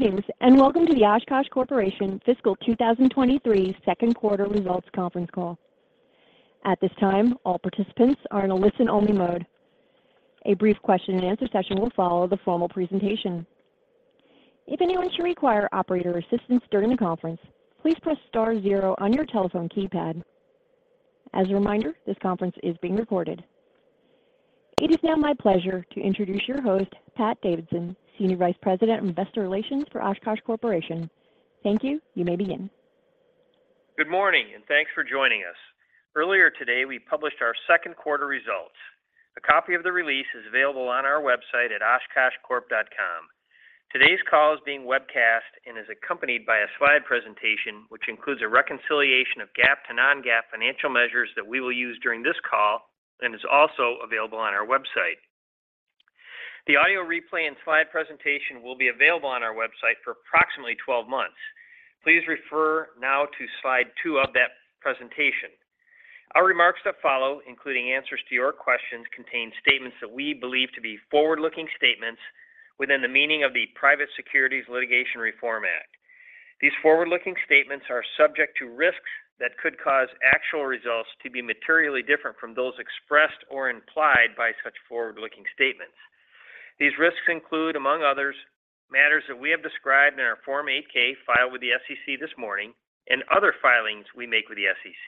Greetings, and welcome to the Oshkosh Corporation Fiscal 2023 Second Quarter Results Conference Call. At this time, all participants are in a listen-only mode. A brief question-and-answer session will follow the formal presentation. If anyone should require operator assistance during the conference, please press star zero on your telephone keypad. As a reminder, this conference is being recorded. It is now my pleasure to introduce your host, Patrick Davidson, Senior Vice President of Investor Relations for Oshkosh Corporation. Thank you. You may begin. Good morning. Thanks for joining us. Earlier today, we published our second quarter results. A copy of the release is available on our website at oshkoshcorp.com. Today's call is being webcast and is accompanied by a slide presentation, which includes a reconciliation of GAAP to non-GAAP financial measures that we will use during this call and is also available on our website. The audio replay and slide presentation will be available on our website for approximately 12 months. Please refer now to slide two of that presentation. Our remarks that follow, including answers to your questions, contain statements that we believe to be forward-looking statements within the meaning of the Private Securities Litigation Reform Act. These forward-looking statements are subject to risks that could cause actual results to be materially different from those expressed or implied by such forward-looking statements. These risks include, among others, matters that we have described in our Form 8-K filed with the SEC this morning and other filings we make with the SEC.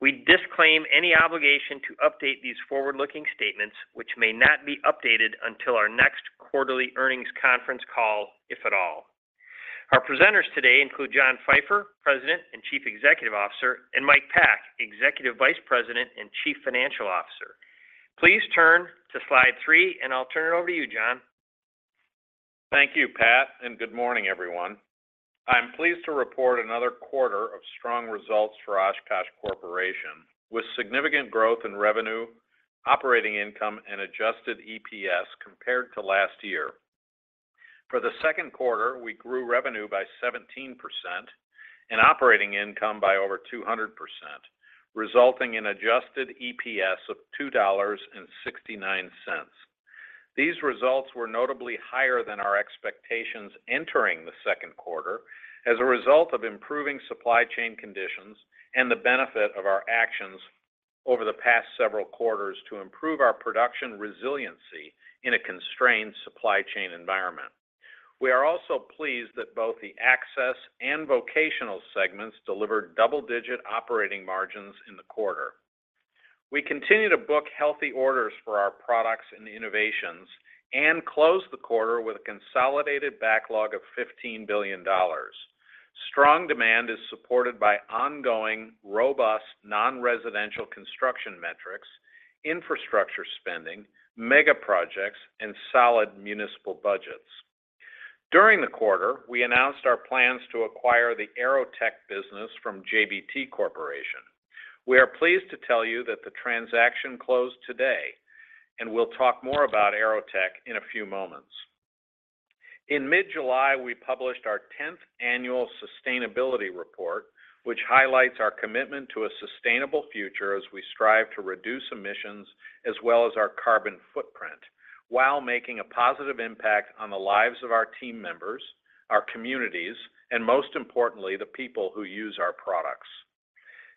We disclaim any obligation to update these forward-looking statements, which may not be updated until our next quarterly earnings conference call, if at all. Our presenters today include John Pfeifer, President and Chief Executive Officer, and Mike Pack, Executive Vice President and Chief Financial Officer. Please turn to slide three, and I'll turn it over to you, John. Thank you, Pat, and good morning, everyone. I'm pleased to report another quarter of strong results for Oshkosh Corporation, with significant growth in revenue, operating income and adjusted EPS compared to last year. For the second quarter, we grew revenue by 17% and operating income by over 200%, resulting in adjusted EPS of $2.69. These results were notably higher than our expectations entering the second quarter as a result of improving supply chain conditions and the benefit of our actions over the past several quarters to improve our production resiliency in a constrained supply chain environment. We are also pleased that both the Access and Vocational segments delivered double-digit operating margins in the quarter. We continue to book healthy orders for our products and innovations and close the quarter with a consolidated backlog of $15 billion. Strong demand is supported by ongoing, robust, non-residential construction metrics, infrastructure spending, mega projects, and solid municipal budgets. During the quarter, we announced our plans to acquire the AeroTech business from JBT Corporation. We are pleased to tell you that the transaction closed today, and we'll talk more about AeroTech in a few moments. In mid-July, we published our tenth annual sustainability report, which highlights our commitment to a sustainable future as we strive to reduce emissions as well as our carbon footprint, while making a positive impact on the lives of our team members, our communities, and most importantly, the people who use our products.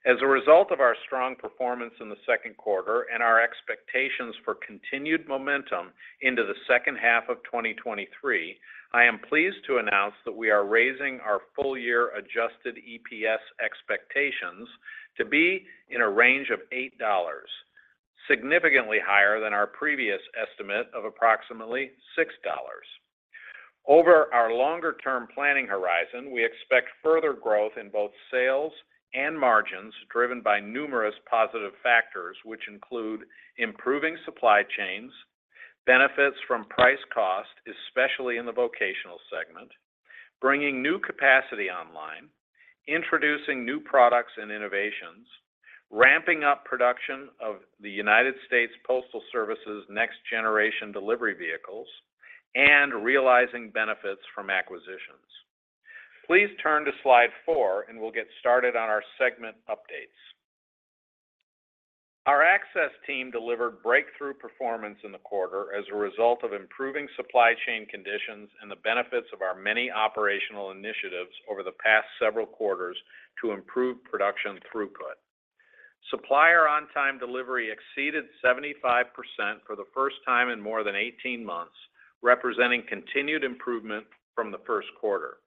As a result of our strong performance in the second quarter and our expectations for continued momentum into the second half of 2023, I am pleased to announce that we are raising our full year adjusted EPS expectations to be in a range of $8, significantly higher than our previous estimate of approximately $6. Over our longer term planning horizon, we expect further growth in both sales and margins, driven by numerous positive factors, which include improving supply chains, benefits from price cost, especially in the vocational segment, bringing new capacity online, introducing new products and innovations, ramping up production of the United States Postal Service's Next Generation Delivery Vehicles, and realizing benefits from acquisitions. Please turn to slide four and we'll get started on our segment updates. Our Access team delivered breakthrough performance in the quarter as a result of improving supply chain conditions and the benefits of our many operational initiatives over the past several quarters to improve production throughput. Supplier on-time delivery exceeded 75% for the first time in more than 18 months, representing continued improvement from the first quarter.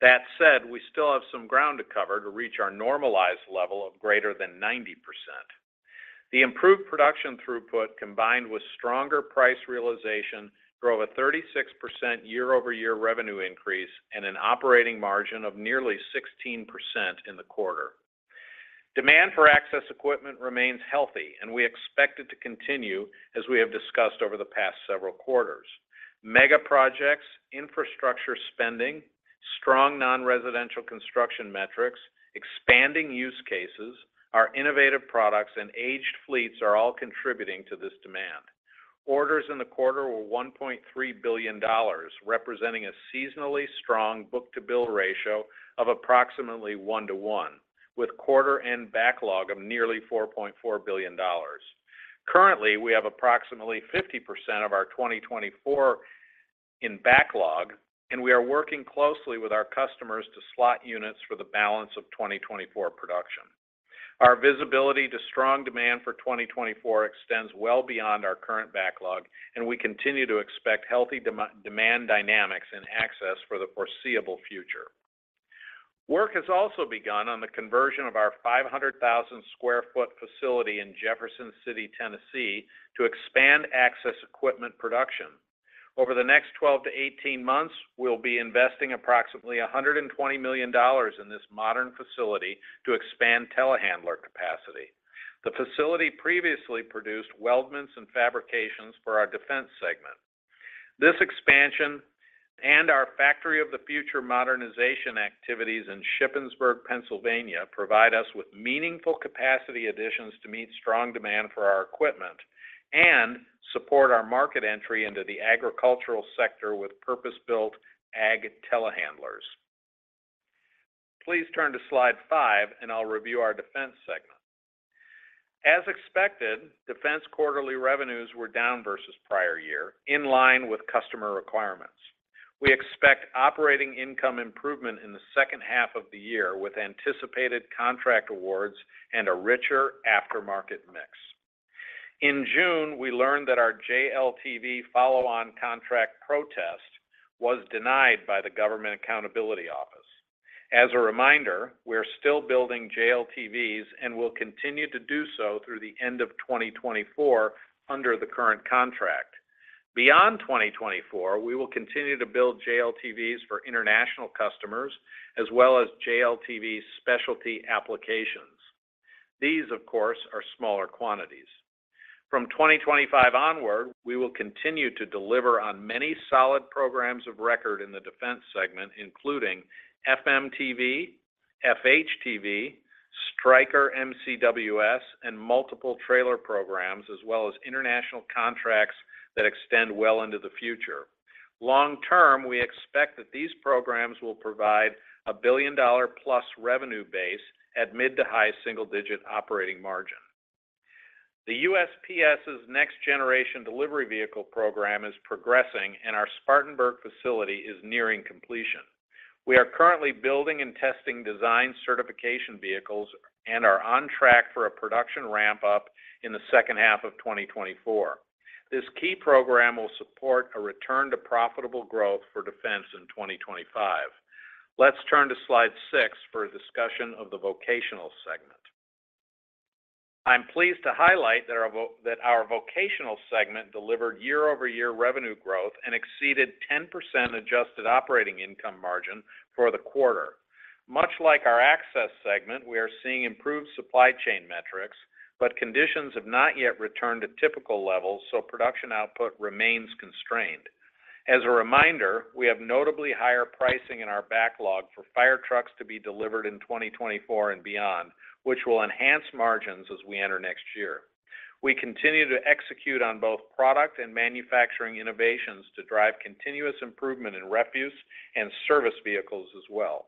That said, we still have some ground to cover to reach our normalized level of greater than 90%. The improved production throughput, combined with stronger price realization, drove a 36% year-over-year revenue increase and an operating margin of nearly 16% in the quarter. Demand for Access equipment remains healthy, and we expect it to continue as we have discussed over the past several quarters. Mega projects, infrastructure spending, strong non-residential construction metrics, expanding use cases, our innovative products, and aged fleets are all contributing to this demand. Orders in the quarter were $1.3 billion, representing a seasonally strong book-to-bill ratio of approximately one to one, with quarter and backlog of nearly $4.4 billion. Currently, we have approximately 50% of our 2024 in backlog, and we are working closely with our customers to slot units for the balance of 2024 production. Our visibility to strong demand for 2024 extends well beyond our current backlog, and we continue to expect healthy demand dynamics and access for the foreseeable future. Work has also begun on the conversion of our 500,000 sq ft facility in Jefferson City, Tennessee, to expand access equipment production. Over the next 12-18 months, we'll be investing approximately $120 million in this modern facility to expand telehandler capacity. The facility previously produced weldments and fabrications for our defense segment. This expansion and our factory of the future modernization activities in Shippensburg, Pennsylvania, provide us with meaningful capacity additions to meet strong demand for our equipment and support our market entry into the agricultural sector with purpose-built ag telehandlers. Please turn to slide five, and I'll review our defense segment. As expected, defense quarterly revenues were down versus prior year, in line with customer requirements. We expect operating income improvement in the second half of the year, with anticipated contract awards and a richer aftermarket mix. In June, we learned that our JLTV follow-on contract protest was denied by the Government Accountability Office. As a reminder, we're still building JLTVs and will continue to do so through the end of 2024 under the current contract. Beyond 2024, we will continue to build JLTVs for international customers, as well as JLTV's specialty applications. These, of course, are smaller quantities. From 2025 onward, we will continue to deliver on many solid programs of record in the defense segment, including FMTV, FHTV, Stryker MCWS, and multiple trailer programs, as well as international contracts that extend well into the future. Long term, we expect that these programs will provide a $1 billion-plus revenue base at mid to high single-digit operating margin. The USPS's Next Generation Delivery Vehicle program is progressing, and our Spartanburg facility is nearing completion. We are currently building and testing design certification vehicles and are on track for a production ramp-up in the second half of 2024. This key program will support a return to profitable growth for defense in 2025. Let's turn to slide six for a discussion of the vocational segment. I'm pleased to highlight that our vocational segment delivered year-over-year revenue growth and exceeded 10% adjusted operating income margin for the quarter. Much like our access segment, we are seeing improved supply chain metrics, but conditions have not yet returned to typical levels, so production output remains constrained. As a reminder, we have notably higher pricing in our backlog for fire trucks to be delivered in 2024 and beyond, which will enhance margins as we enter next year. We continue to execute on both product and manufacturing innovations to drive continuous improvement in refuse and service vehicles as well.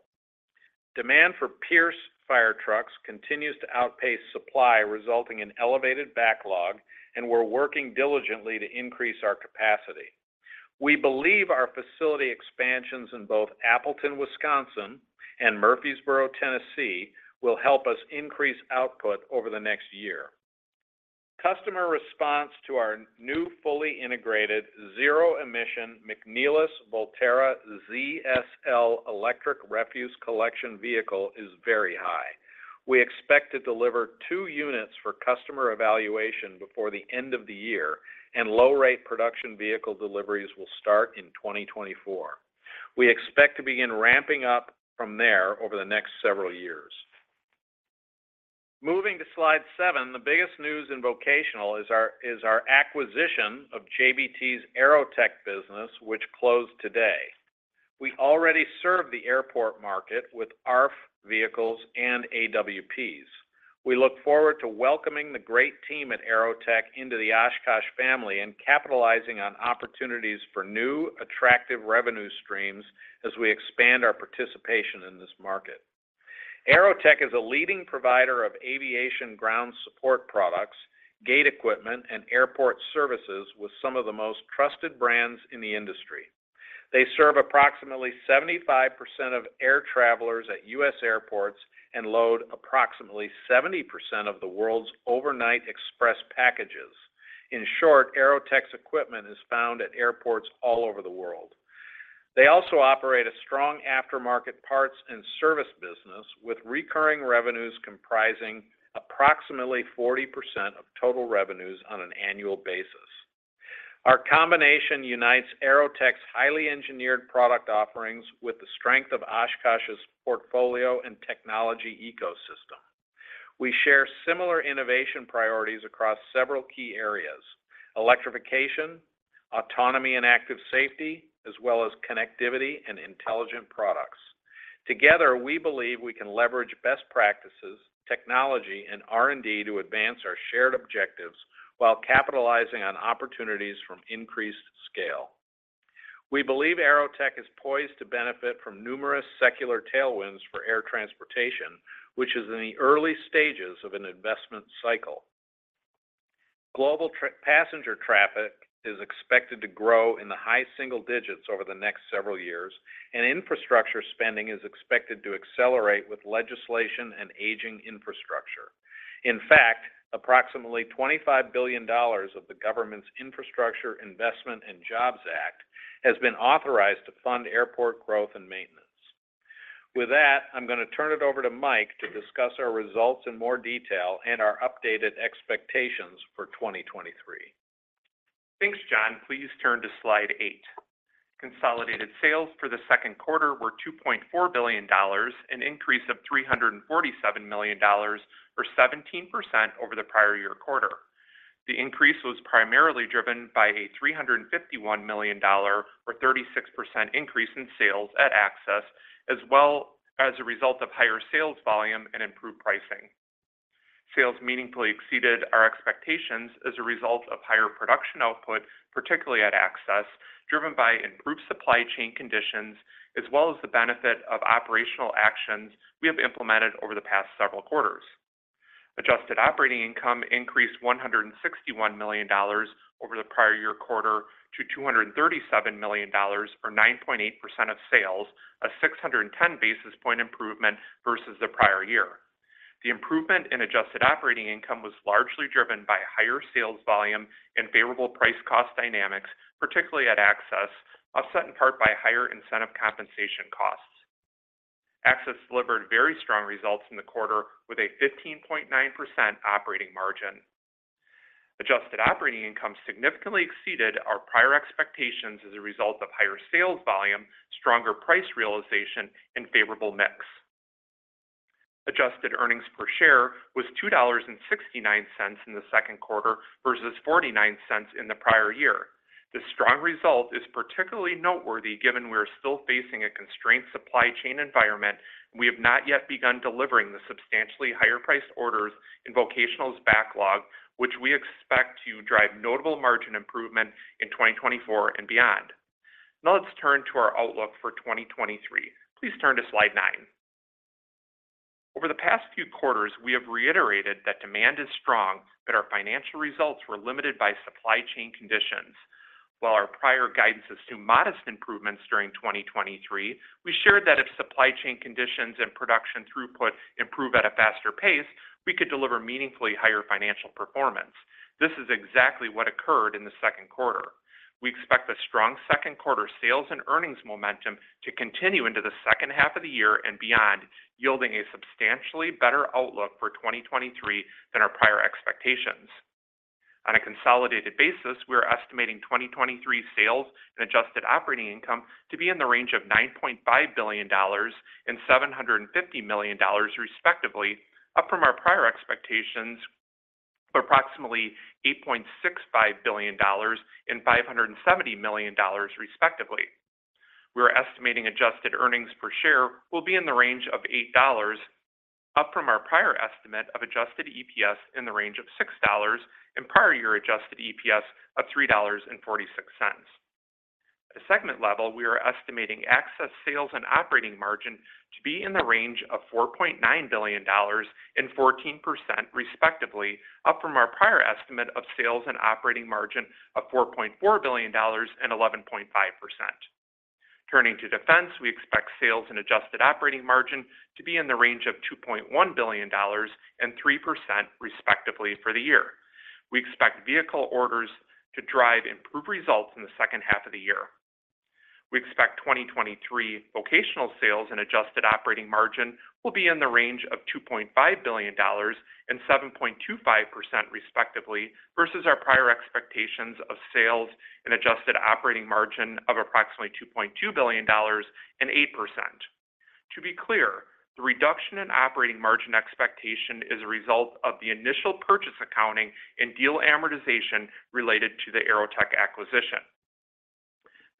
Demand for Pierce fire trucks continues to outpace supply, resulting in elevated backlog, and we're working diligently to increase our capacity. We believe our facility expansions in both Appleton, Wisconsin, and Murfreesboro, Tennessee, will help us increase output over the next year. Customer response to our new fully integrated, zero-emission McNeilus Volterra ZSL electric refuse collection vehicle is very high. We expect to deliver two units for customer evaluation before the end of the year. Low rate production vehicle deliveries will start in 2024. We expect to begin ramping up from there over the next several years. Moving to slide seven, the biggest news in vocational is our acquisition of JBT's AeroTech business, which closed today. We already serve the airport market with ARFF vehicles and AWPs. We look forward to welcoming the great team at AeroTech into the Oshkosh family and capitalizing on opportunities for new, attractive revenue streams as we expand our participation in this market. AeroTech is a leading provider of aviation ground support products, gate equipment, and airport services with some of the most trusted brands in the industry. They serve approximately 75% of air travelers at U.S. airports and load approximately 70% of the world's overnight express packages. In short, AeroTech's equipment is found at airports all over the world. They also operate a strong aftermarket parts and service business, with recurring revenues comprising approximately 40% of total revenues on an annual basis. Our combination unites AeroTech's highly engineered product offerings with the strength of Oshkosh's portfolio and technology ecosystem. We share similar innovation priorities across several key areas: electrification, autonomy, and active safety, as well as connectivity and intelligent products. Together, we believe we can leverage best practices, technology, and R&D to advance our shared objectives while capitalizing on opportunities from increased scale. We believe AeroTech is poised to benefit from numerous secular tailwinds for air transportation, which is in the early stages of an investment cycle. Global passenger traffic is expected to grow in the high single digits over the next several years, and infrastructure spending is expected to accelerate with legislation and aging infrastructure. In fact, approximately $25 billion of the government's Infrastructure Investment and Jobs Act has been authorized to fund airport growth and maintenance. With that, I'm going to turn it over to Mike to discuss our results in more detail and our updated expectations for 2023. Thanks, John. Please turn to slide eight. Consolidated sales for the second quarter were $2.4 billion, an increase of $347 million, or 17% over the prior year quarter. The increase was primarily driven by a $351 million or 36% increase in sales at Access, as well as a result of higher sales volume and improved pricing. Sales meaningfully exceeded our expectations as a result of higher production output, particularly at Access, driven by improved supply chain conditions, as well as the benefit of operational actions we have implemented over the past several quarters. Adjusted operating income increased $161 million over the prior year quarter to $237 million, or 9.8% of sales, a 610 basis point improvement versus the prior year. The improvement in adjusted operating income was largely driven by higher sales volume and favorable price cost dynamics, particularly at Access, offset in part by higher incentive compensation costs. Access delivered very strong results in the quarter, with a 15.9% operating margin. Adjusted operating income significantly exceeded our prior expectations as a result of higher sales volume, stronger price realization, and favorable mix. Adjusted earnings per share was $2.69 in the second quarter versus $0.49 in the prior year. This strong result is particularly noteworthy, given we are still facing a constrained supply chain environment, and we have not yet begun delivering the substantially higher priced orders in Vocational's backlog, which we expect to drive notable margin improvement in 2024 and beyond. Now, let's turn to our outlook for 2023. Please turn to slide nine. Over the past few quarters, we have reiterated that demand is strong, but our financial results were limited by supply chain conditions. While our prior guidance assumed modest improvements during 2023, we shared that if supply chain conditions and production throughput improve at a faster pace, we could deliver meaningfully higher financial performance. This is exactly what occurred in the second quarter. We expect the strong second quarter sales and earnings momentum to continue into the second half of the year and beyond, yielding a substantially better outlook for 2023 than our prior expectations. On a consolidated basis, we are estimating 2023 sales and adjusted operating income to be in the range of $9.5 billion and $750 million, respectively, up from our prior expectations of approximately $8.65 billion and $570 million, respectively. We are estimating adjusted earnings per share will be in the range of $8, up from our prior estimate of adjusted EPS in the range of $6 and prior year adjusted EPS of $3.46. At a segment level, we are estimating Access, sales, and operating margin to be in the range of $4.9 billion and 14%, respectively, up from our prior estimate of sales and operating margin of $4.4 billion and 11.5%. Turning to Defense, we expect sales and adjusted operating margin to be in the range of $2.1 billion and 3%, respectively, for the year. We expect vehicle orders to drive improved results in the second half of the year. We expect 2023 Vocational sales and adjusted operating margin will be in the range of $2.5 billion and 7.25%, respectively, versus our prior expectations of sales and adjusted operating margin of approximately $2.2 billion and 8%. To be clear, the reduction in operating margin expectation is a result of the initial purchase accounting and deal amortization related to the AeroTech acquisition.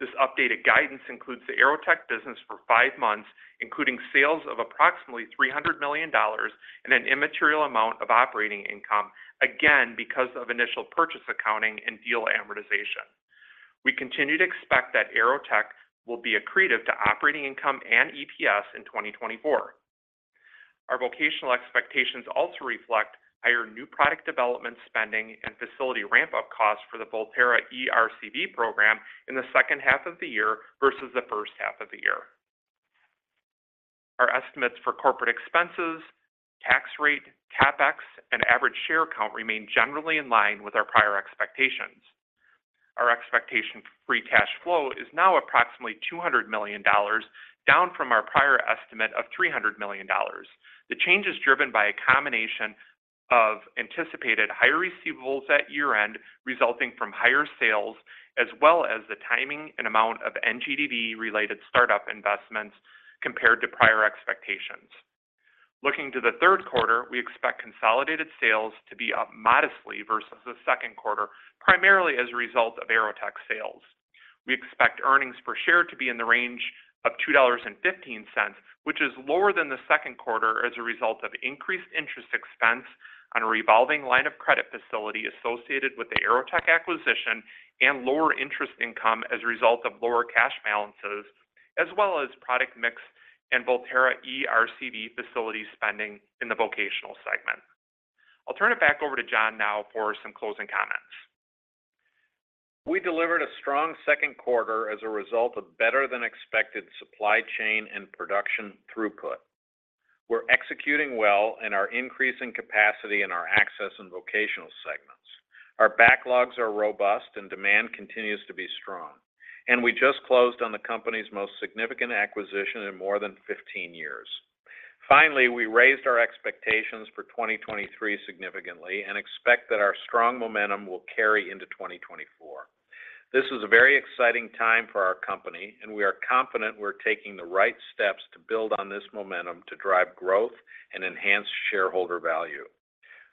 This updated guidance includes the AeroTech business for five months, including sales of approximately $300 million and an immaterial amount of operating income, again, because of initial purchase accounting and deal amortization. We continue to expect that AeroTech will be accretive to operating income and EPS in 2024. Our vocational expectations also reflect higher new product development spending and facility ramp-up costs for the Volterra eRCV program in the second half of the year versus the first half of the year. Our estimates for corporate expenses, tax rate, CapEx, and average share count remain generally in line with our prior expectations. Our expectation for free cash flow is now approximately $200 million, down from our prior estimate of $300 million. The change is driven by a combination of anticipated higher receivables at year-end, resulting from higher sales, as well as the timing and amount of NGDV related startup investments compared to prior expectations. Looking to the third quarter, we expect consolidated sales to be up modestly versus the second quarter, primarily as a result of AeroTech sales. We expect earnings per share to be in the range of $2.15, which is lower than the second quarter as a result of increased interest expense on a revolving line of credit facility associated with the AeroTech acquisition and lower interest income as a result of lower cash balances as well as product mix and Volterra eRCV facility spending in the vocational segment. I'll turn it back over to John now for some closing comments. We delivered a strong second quarter as a result of better than expected supply chain and production throughput. We're executing well and are increasing capacity in our access and vocational segments. Our backlogs are robust and demand continues to be strong. We just closed on the company's most significant acquisition in more than 15 years. Finally, we raised our expectations for 2023 significantly and expect that our strong momentum will carry into 2024. This is a very exciting time for our company, and we are confident we're taking the right steps to build on this momentum to drive growth and enhance shareholder value.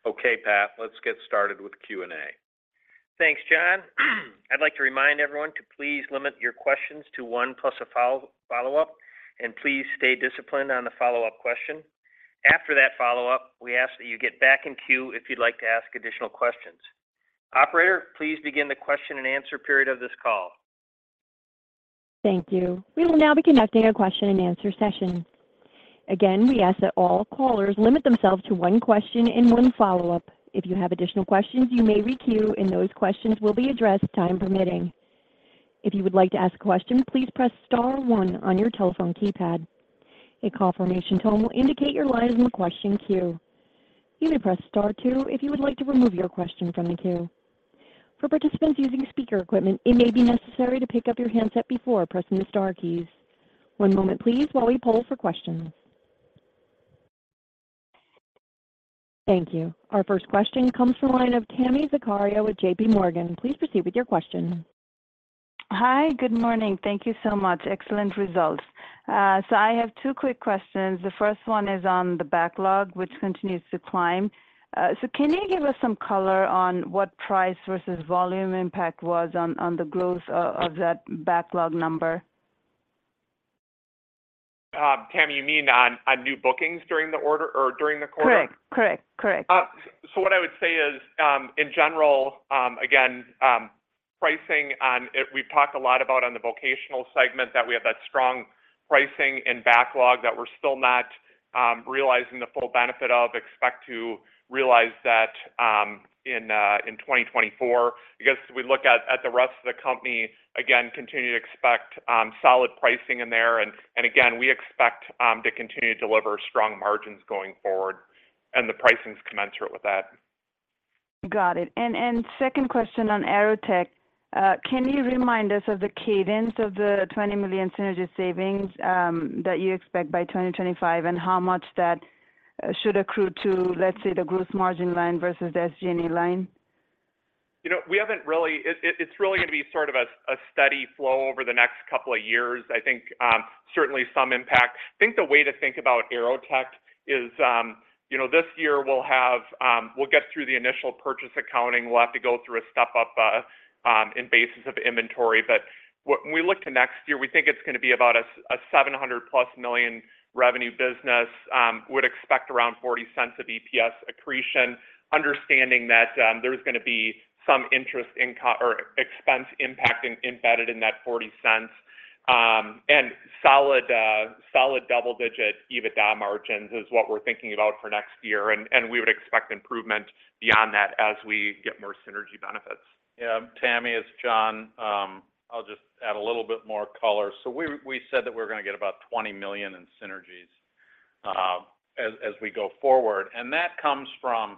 Okay, Pat, let's get started with Q&A. Thanks, John. I'd like to remind everyone to please limit your questions to one plus a follow-up, and please stay disciplined on the follow-up question. After that follow-up, we ask that you get back in queue if you'd like to ask additional questions. Operator, please begin the question and answer period of this call. Thank you. We will now be conducting a question and answer session. Again, we ask that all callers limit themselves to one question and one follow-up. If you have additional questions, you may requeue, and those questions will be addressed, time permitting. If you would like to ask a question, please press star one on your telephone keypad. A confirmation tone will indicate your line is in the question queue. You may press star two if you would like to remove your question from the queue. For participants using speaker equipment, it may be necessary to pick up your handset before pressing the star keys. One moment please, while we poll for questions. Thank you. Our first question comes from the line of Tami Zakaria with JPMorgan. Please proceed with your question. Hi, good morning. Thank you so much. Excellent results. I have two quick questions. The first one is on the backlog, which continues to climb. Can you give us some color on what price versus volume impact was on, on the growth of, of that backlog number? Tami, you mean on, on new bookings during the order or during the quarter? Correct. Correct, correct. What I would say is, in general, again, pricing, we've talked a lot about on the vocational segment, that we have that strong pricing and backlog that we're still not realizing the full benefit of, expect to realize that in 2024. I guess, as we look at the rest of the company, again, continue to expect solid pricing in there. Again, we expect to continue to deliver strong margins going forward and the pricing's commensurate with that. Got it. Second question on AeroTech. Can you remind us of the cadence of the $20 million synergy savings that you expect by 2025, and how much that should accrue to, let's say, the gross margin line versus the SG&A line? You know, we haven't really. It's really going to be sort of a steady flow over the next two years. I think certainly some impact. I think the way to think about AeroTech is, you know, this year we'll have. We'll get through the initial purchase accounting. We'll have to go through a step up in bases of inventory. When we look to next year, we think it's going to be about a $700+ million revenue business, would expect around $0.40 of EPS accretion, understanding that there's going to be some interest income or expense impact embedded in that $0.40. Solid double-digit EBITDA margins is what we're thinking about for next year, and we would expect improvement beyond that as we get more synergy benefits. Yeah, Tami, it's John. I'll just add a little bit more color. We, we said that we're going to get about $20 million in synergies, as we go forward, and that comes from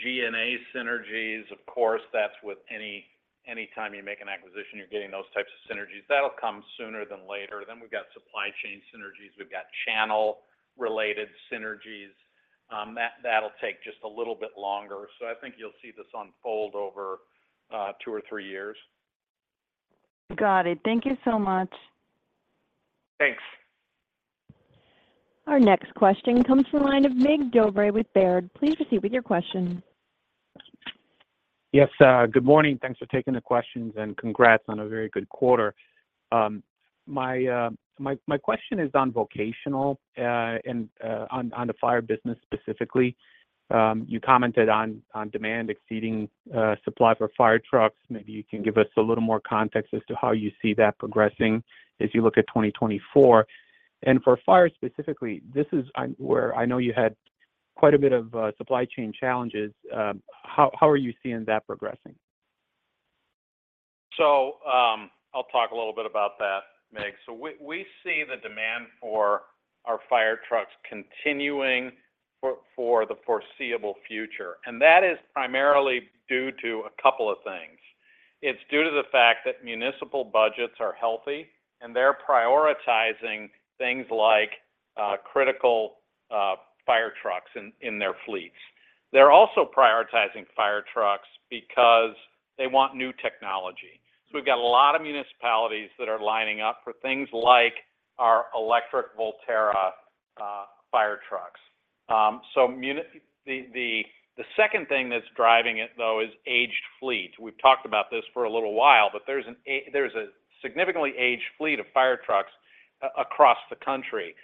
G&A synergies, of course, that's with anytime you make an acquisition, you're getting those types of synergies. That'll come sooner than later. We've got supply chain synergies, we've got channel-related synergies, that'll take just a little bit longer. I think you'll see this unfold over two or three years. Got it. Thank you so much. Thanks. Our next question comes from the line of Mircea Dobre with Baird. Please proceed with your question. Yes, good morning. Thanks for taking the questions, and congrats on a very good quarter. My, my question is on vocational, and on the fire business specifically. You commented on, on demand exceeding supply for fire trucks. Maybe you can give us a little more context as to how you see that progressing as you look at 2024. For fire specifically, this is where I know you had quite a bit of supply chain challenges. How, how are you seeing that progressing? I'll talk a little bit about that, Mircea. We, we see the demand for our fire trucks continuing for, for the foreseeable future, and that is primarily due to a couple of things. It's due to the fact that municipal budgets are healthy, and they're prioritizing things like critical fire trucks in their fleets. They're also prioritizing fire trucks because they want new technology. We've got a lot of municipalities that are lining up for things like our electric Volterra fire trucks. The second thing that's driving it, though, is aged fleet. We've talked about this for a little while, but there's a significantly aged fleet of fire trucks across the country.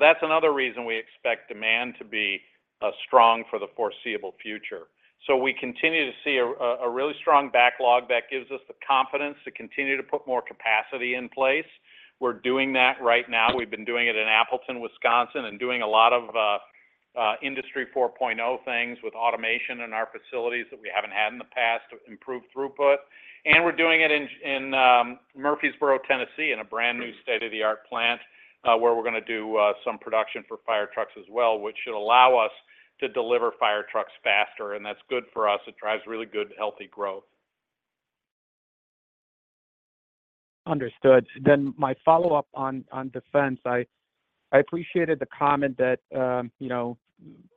That's another reason we expect demand to be strong for the foreseeable future. We continue to see a really strong backlog that gives us the confidence to continue to put more capacity in place. We're doing that right now. We've been doing it in Appleton, Wisconsin, and doing a lot of Industry 4.0 things with automation in our facilities that we haven't had in the past to improve throughput. We're doing it in Murfreesboro, Tennessee, in a brand-new state-of-the-art plant, where we're gonna do some production for fire trucks as well, which should allow us to deliver fire trucks faster, and that's good for us. It drives really good, healthy growth. Understood. My follow-up on, on defense, I, I appreciated the comment that, you know,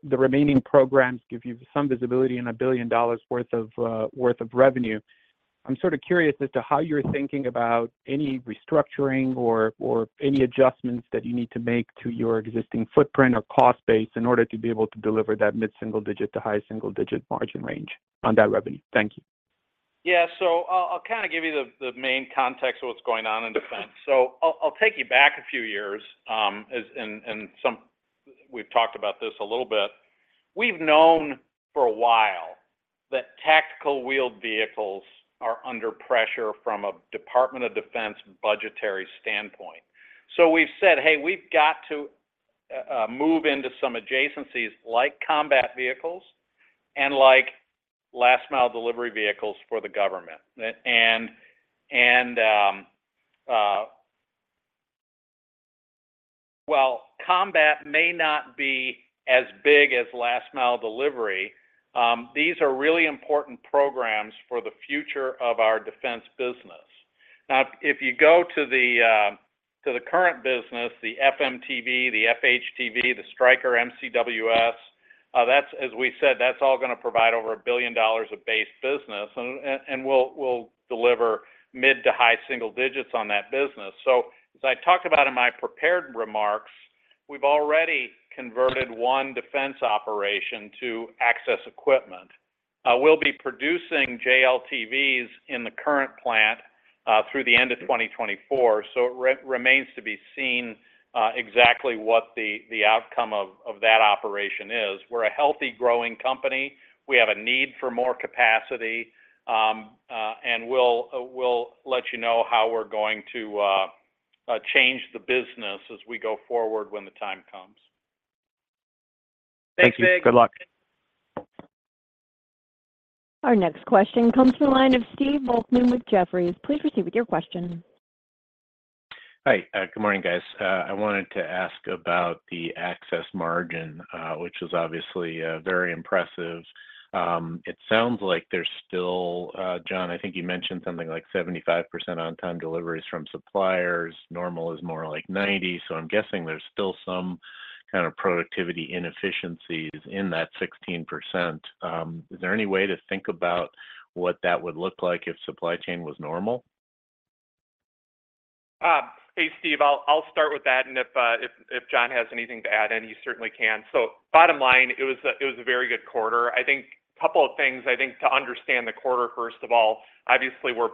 the remaining programs give you some visibility and $1 billion worth of revenue. I'm sort of curious as to how you're thinking about any restructuring or, or any adjustments that you need to make to your existing footprint or cost base in order to be able to deliver that mid-single-digit to high-single-digit margin range on that revenue. Thank you. Yeah, I'll, I'll kind of give you the, the main context of what's going on in defense. I'll, I'll take you back a few years, as we've talked about this a little bit. We've known for a while that tactical wheeled vehicles are under pressure from a Department of Defense budgetary standpoint. We've said, "Hey, we've got to move into some adjacencies like combat vehicles and like last-mile delivery vehicles for the government." Well, combat may not be as big as last-mile delivery, these are really important programs for the future of our defense business. If you go to the to the current business, the FMTV, the FHTV, the Stryker MCWS, that's as we said, that's all gonna provide over $1 billion of base business, and we'll deliver mid-to-high single digits on that business. As I talked about in my prepared remarks, we've already converted one defense operation to access equipment. We'll be producing JLTVs in the current plant through the end of 2024, so it remains to be seen exactly what the the outcome of that operation is. We're a healthy, growing company. We have a need for more capacity, and we'll let you know how we're going to change the business as we go forward when the time comes. Thanks Nick. Thank you. Good luck. Our next question comes from the line of Stephen Volkmann with Jefferies. Please proceed with your question. Hi, good morning, guys. I wanted to ask about the access margin, which is obviously very impressive. It sounds like there's still... John, I think you mentioned something like 75% on-time deliveries from suppliers. Normal is more like 90, so I'm guessing there's still some kind of productivity inefficiencies in that 16%. Is there any way to think about what that would look like if supply chain was normal? Hey, Steve. I'll, I'll start with that, and if John has anything to add in, he certainly can. Bottom line, it was a very good quarter. I think couple of things, I think, to understand the quarter, first of all, obviously we're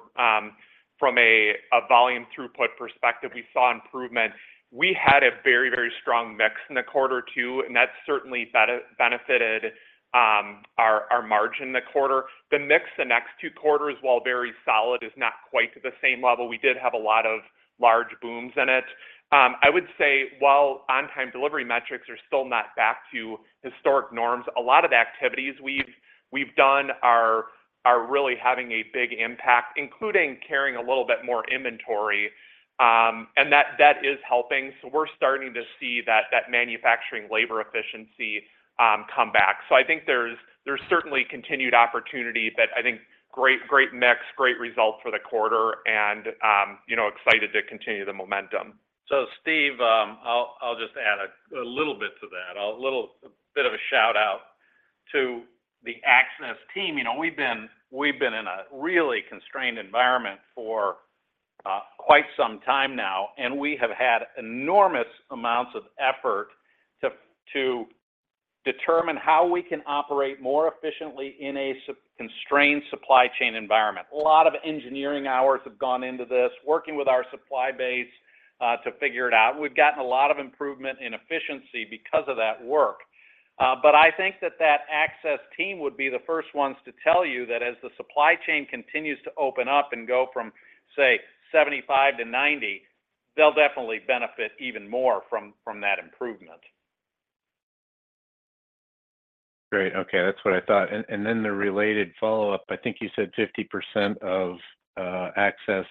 from a volume throughput perspective, we saw improvement. We had a very, very strong mix in the quarter, too, and that certainly benefited our margin in the quarter. The mix, the next two quarters, while very solid, is not quite to the same level. We did have a lot of large booms in it. I would say while on-time delivery metrics are still not back to historic norms, a lot of activities we've, we've done are, are really having a big impact, including carrying a little bit more inventory, and that, that is helping. We're starting to see that, that manufacturing labor efficiency, come back. I think there's, there's certainly continued opportunity, but I think great, great mix, great results for the quarter, and, you know, excited to continue the momentum. Steve, I'll just add a little bit to that, a little bit of a shout-out to the access team. You know, we've been, we've been in a really constrained environment for quite some time now, we have had enormous amounts of effort to, to determine how we can operate more efficiently in a constrained supply chain environment. A lot of engineering hours have gone into this, working with our supply base, to figure it out. We've gotten a lot of improvement in efficiency because of that work. I think that that access team would be the first ones to tell you that as the supply chain continues to open up and go from, say, 75 to 90, they'll definitely benefit even more from, from that improvement. Great. Okay, that's what I thought. Then the related follow-up, I think you said 50% of access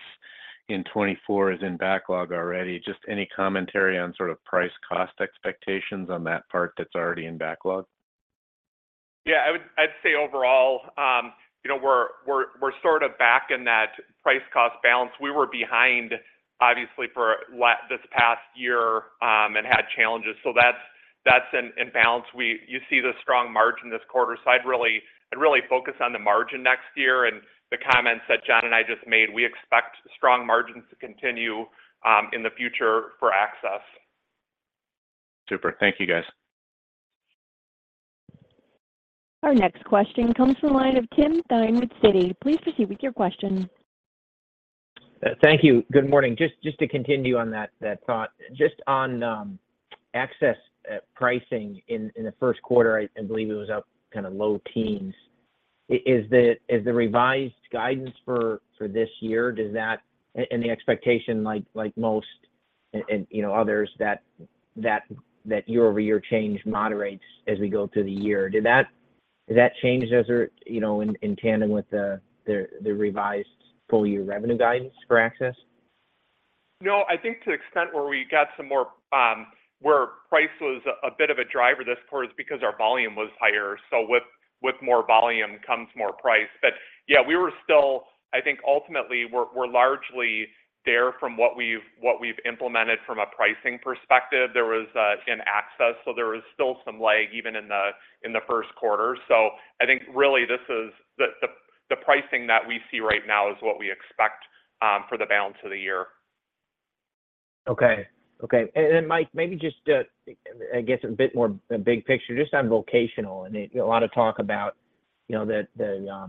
in 2024 is in backlog already. Just any commentary on sort of price cost expectations on that part that's already in backlog? Yeah, I'd say overall, you know, we're, we're, we're sort of back in that price cost balance. We were behind, obviously, for this past year, and had challenges, so that's, that's in, in balance. You see the strong margin this quarter, so I'd really focus on the margin next year and the comments that John and I just made. We expect strong margins to continue in the future for access. Super. Thank you, guys. Our next question comes from the line of Timothy Thein with Citi. Please proceed with your question. Thank you. Good morning. Just, just to continue on that, that thought. Just on access pricing in the first quarter, I, I believe it was up kind of low teens.... Is the revised guidance for this year, does that and the expectation like most and, you know, others, that year-over-year change moderates as we go through the year? Did that change those are, you know, in tandem with the revised full year revenue guidance for Access? I think to the extent where we got some more, where price was a bit of a driver this quarter is because our volume was higher, so with, with more volume comes more price. Yeah, we were still. I think ultimately we're, we're largely there from what we've implemented from a pricing perspective. There was, in Access. There was still some lag even in the first quarter. I think really this is the, the, the pricing that we see right now is what we expect, for the balance of the year. Okay. Okay. Then, Mike, maybe just, I guess a bit more big picture, just on vocational. A lot of talk about, you know, the, the,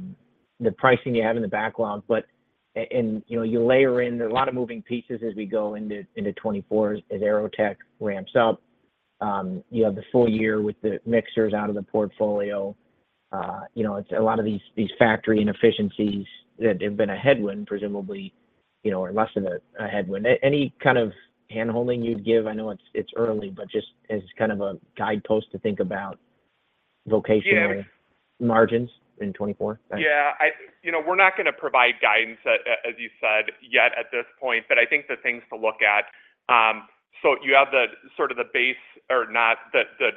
the pricing you have in the background, but and, you know, you layer in a lot of moving pieces as we go into, into 2024 as AeroTech ramps up. You have the full year with the mixers out of the portfolio. You know, it's a lot of these, these factory inefficiencies that have been a headwind, presumably, you know, or less of a, a headwind. Any kind of handholding you'd give? I know it's, it's early, but just as kind of a guidepost to think about vocational- Yeah margins in 24? Yeah, I-- you know, we're not going to provide guidance, as, as you said yet at this point, but I think the things to look at. You have the sort of the base or not, the, the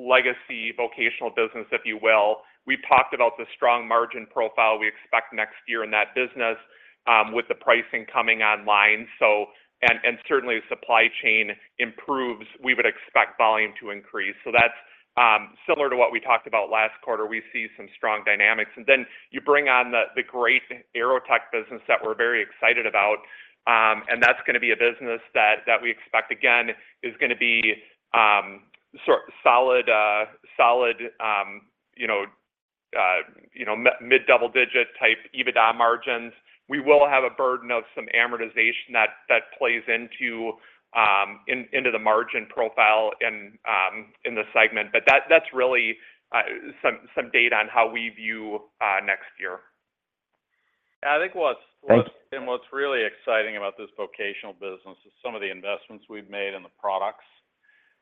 legacy vocational business, if you will. We talked about the strong margin profile we expect next year in that business, with the pricing coming online. Certainly, the supply chain improves, we would expect volume to increase. That's similar to what we talked about last quarter. We see some strong dynamics. Then you bring on the, the great AeroTech business that we're very excited about, and that's going to be a business that, that we expect, again, is gonna be, sort-- solid, solid, you know, you know, mid-double-digit type EBITDA margins. We will have a burden of some amortization that, that plays into, into the margin profile in, in the segment. That, that's really, some, some data on how we view, next year. I think. Thanks... and what's really exciting about this vocational business is some of the investments we've made in the products.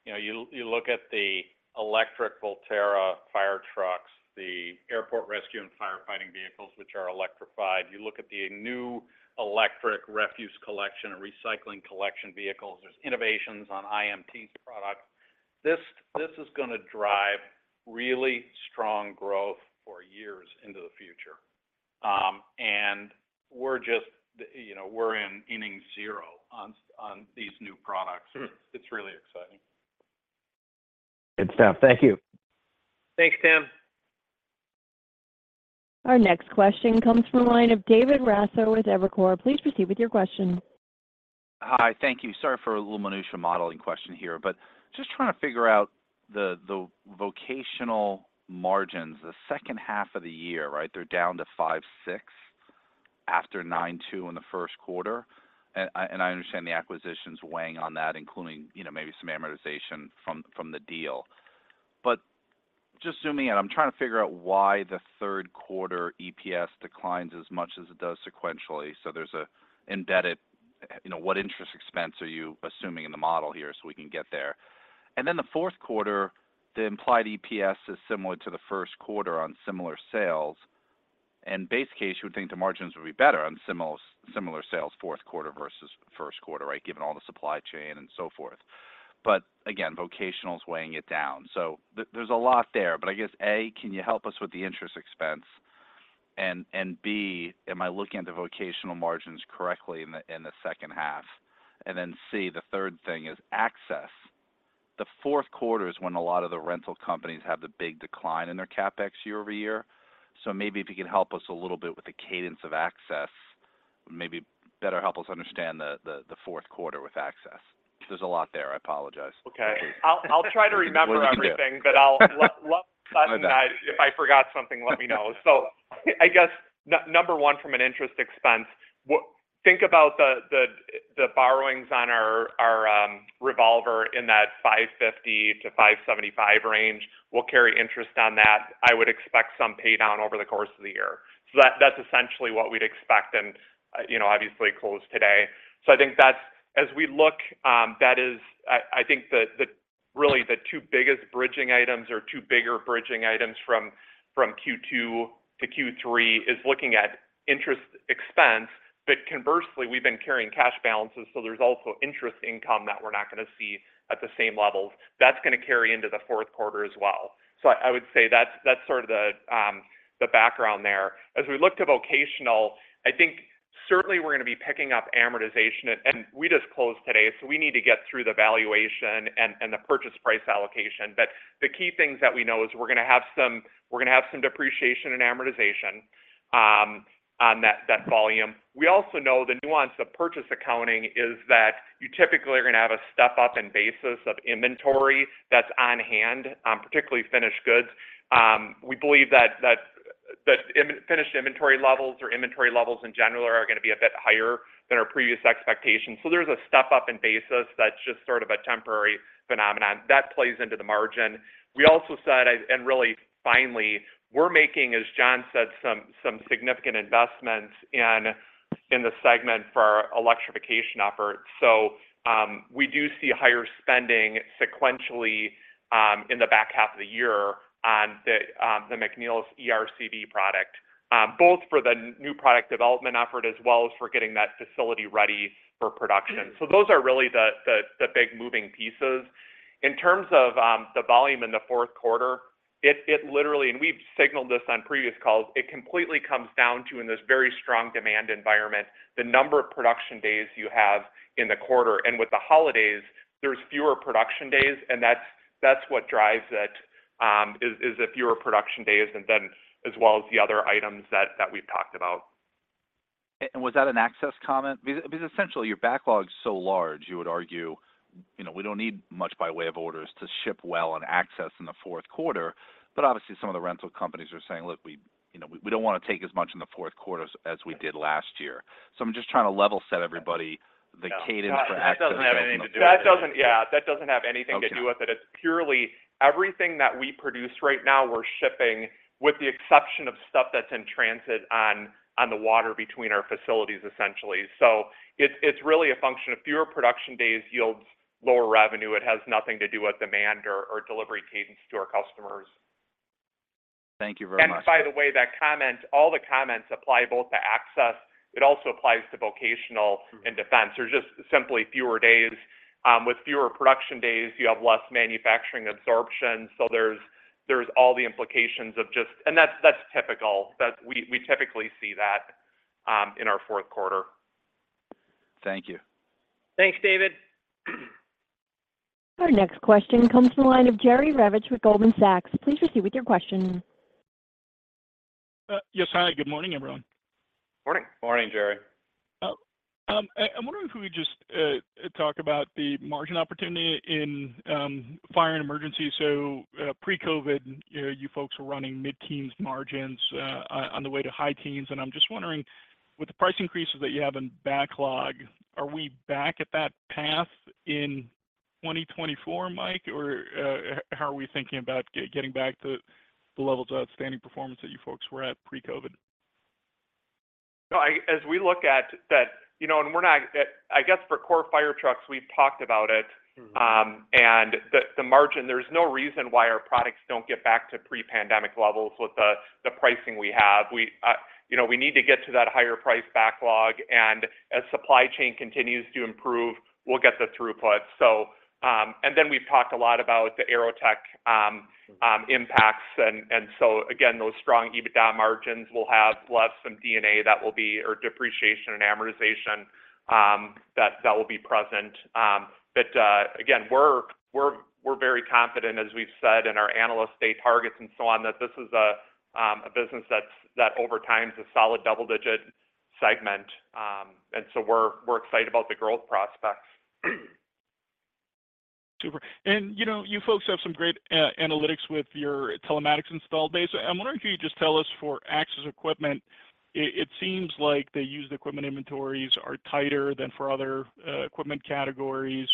You know, you, you look at the electric Volterra fire trucks, the airport rescue and firefighting vehicles, which are electrified. You look at the new electric refuse collection and recycling collection vehicles. There's innovations on IMT's product. This is gonna drive really strong growth for years into the future. We're just, you know, we're in inning zero on these new products. It's really exciting. Good stuff. Thank you. Thanks, Tim. Our next question comes from the line of David Raso with Evercore. Please proceed with your question. Hi, thank you. Sorry for a little minutiae modeling question here, but just trying to figure out the vocational margins the second half of the year, right? They're down to 5.6 after 9.2 in the first quarter. I understand the acquisitions weighing on that, including, you know, maybe some amortization from the deal. Just zooming out, I'm trying to figure out why the third quarter EPS declines as much as it does sequentially. There's a indebted, you know, what interest expense are you assuming in the model here so we can get there? Then the fourth quarter, the implied EPS is similar to the first quarter on similar sales, and base case, you would think the margins would be better on similar, similar sales fourth quarter versus first quarter, right? Given all the supply chain and so forth. Again, vocational is weighing it down. There's a lot there. I guess, A, can you help us with the interest expense? B, am I looking at the vocational margins correctly in the second half? C, the third thing is Access. The fourth quarter is when a lot of the rental companies have the big decline in their CapEx year-over-year. Maybe if you could help us a little bit with the cadence of Access, maybe better help us understand the fourth quarter with Access. There's a lot there. I apologize. Okay. I'll try to remember everything- Please do. I'll let if I forgot something, let me know. I guess number one, from an interest expense, think about the, the, the borrowings on our, our revolver in that $550-$575 range. We'll carry interest on that. I would expect some pay down over the course of the year. That's, that's essentially what we'd expect and, you know, obviously close today. I think that's as we look, that is, I, I think the, the really the two biggest bridging items or two bigger bridging items from, from Q2 to Q3 is looking at interest expense. Conversely, we've been carrying cash balances, so there's also interest income that we're not going to see at the same levels. That's going to carry into the fourth quarter as well. I would say that's, that's sort of the background there. As we look to vocational, I think certainly we're going to be picking up amortization. We just closed today, so we need to get through the valuation and the purchase price allocation. The key things that we know is we're going to have some depreciation and amortization on that, that volume. We also know the nuance of purchase accounting is that you typically are going to have a step-up in basis of inventory that's on hand, particularly finished goods. We believe that finished inventory levels or inventory levels in general are going to be a bit higher than our previous expectations. There's a step-up in basis that's just sort of a temporary phenomenon that plays into the margin. We also said, really finally, we're making, as John said, some significant investments in the segment for our electrification efforts. We do see higher spending sequentially in the back half of the year on the McNeilus eRCV product, both for the new product development effort, as well as for getting that facility ready for production. Those are really the big moving pieces. In terms of the volume in the fourth quarter, it literally, and we've signaled this on previous calls, it completely comes down to, in this very strong demand environment, the number of production days you have in the quarter. With the holidays, there's fewer production days, and that's, that's what drives it, is, is the fewer production days and then as well as the other items that, that we've talked about. Was that an Access comment? because essentially, your backlog is so large, you would argue, you know, we don't need much by way of orders to ship well on Access in the fourth quarter. obviously, some of the rental companies are saying, "Look, we, you know, we, we don't wanna take as much in the fourth quarter as we did last year." I'm just trying to level set everybody the cadence for Access- That doesn't have anything to do with it. That doesn't... Yeah, that doesn't have anything to do with it. Okay. It's purely everything that we produce right now, we're shipping, with the exception of stuff that's in transit on, on the water between our facilities, essentially. It's really a function of fewer production days yields lower revenue. It has nothing to do with demand or, or delivery cadence to our customers. Thank you very much. By the way, that comment, all the comments apply both to access, it also applies to vocational and defense. There's just simply fewer days. With fewer production days, you have less manufacturing absorption, so there's, there's all the implications of just- and that's, that's typical. That we, we typically see that in our fourth quarter. Thank you. Thanks, David. Our next question comes from the line of Jerry Revich with Goldman Sachs. Please proceed with your question. Yes. Hi, good morning, everyone. Morning. Morning, Jerry. I, I'm wondering if we could just talk about the margin opportunity in fire and emergency. Pre-COVID, you know, you folks were running mid-teens margins on the way to high teens, and I'm just wondering, with the price increases that you have in backlog, are we back at that path in 2024, Mike, or, how are we thinking about getting back to the levels of outstanding performance that you folks were at pre-COVID? As we look at that, you know, and we're not... I guess for core fire trucks, we've talked about it. Mm-hmm. The margin, there's no reason why our products don't get back to pre-pandemic levels with the pricing we have. We, you know, we need to get to that higher price backlog, and as supply chain continues to improve, we'll get the throughput. We've talked a lot about the AeroTech impacts, those strong EBITDA margins will have less some D&A that will be, or depreciation and amortization, will be present. Again, we're very confident, as we've said in our analyst day targets and so on, that this is a business that over time, is a solid double-digit segment. We're excited about the growth prospects. Super. You know, you folks have some great analytics with your telematics installed base. I'm wondering if you could just tell us for access equipment, it seems like the used equipment inventories are tighter than for other equipment categories.